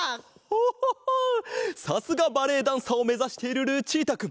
さすがバレエダンサーをめざしているルチータくん。